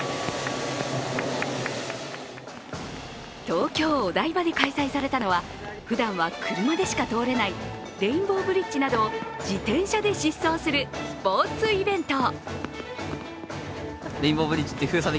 東京・お台場で開催されたのはふだんは車でしか通れないレインボーブリッジなどを自転車で疾走するスポーツイベント。